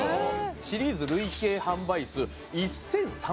シリーズ累計販売数１３００万枚突破と。